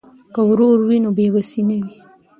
که ورور وي نو بې وسی نه وي.